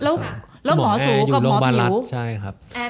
แล้วหมอสูกับหมอผิว